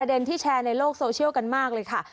ที่แชร์ในโลกโซเชียลกันมากเลยค่ะ